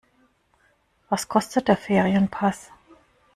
Was kostet der Ferienpass?